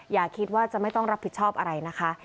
อย่าคิดว่าจะไม่ต้องรับผิดชอบอะไรนะคะ